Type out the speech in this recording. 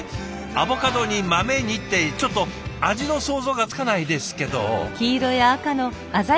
アボカドに豆にってちょっと味の想像がつかないですけど。